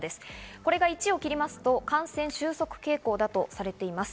これが１を切ると感染収束傾向だとされています。